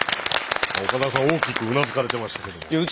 岡田さん大きくうなずかれてましたけども。